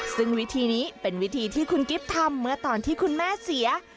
ซึ่งวิธีนี้เป็นวิธีที่คุณกิฟต์ทำเมื่อตอนที่คุณแม่เสีย